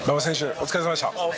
お疲れ様でした。